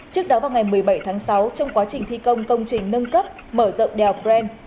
trước đó vào ngày một mươi bảy tháng sáu trong quá trình thi công công trình nâng cấp mở rộng đèo bren